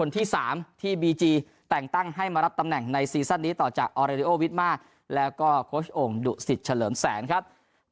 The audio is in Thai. ที่สามที่บีจีแต่งตั้งให้มารับตำแหน่งในซีซั่นนี้ต่อจากแล้วก็โค้ดโอ่งดุสิทธิ์เฉลิมแสนครับ